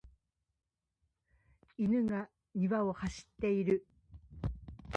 犬が庭を走っている。